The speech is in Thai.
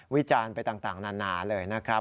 วิจารณ์ไปต่างนานาเลยนะครับ